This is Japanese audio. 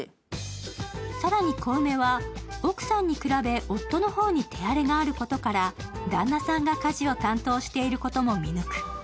更に小梅は奥さんに比べ、夫の方に手荒れがあることから、旦那さんが家事を担当していることも見抜く。